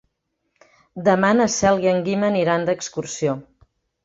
Demà na Cel i en Guim aniran d'excursió.